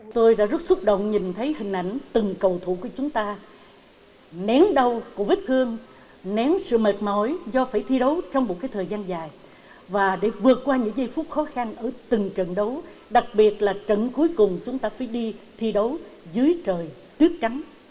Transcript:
từng trận đấu đặc biệt là trận cuối cùng chúng ta phải đi thi đấu dưới trời tuyết trắng